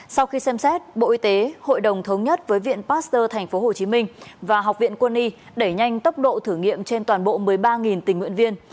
sau khi xem xét bộ y tế hội đồng thống nhất với viện pasteur tp hcm và học viện quân y đẩy nhanh tốc độ thử nghiệm trên toàn bộ một mươi ba tình nguyện viên